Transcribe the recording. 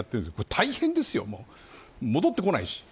大変ですよ、戻ってこないし。